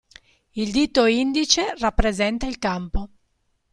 Il dito indice rappresenta il campo.